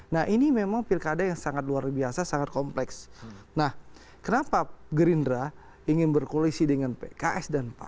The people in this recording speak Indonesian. nah ini memang pilkada yang sangat luar biasa sangat kompleks nah kenapa gerindra ingin berkoalisi dengan pks dan pan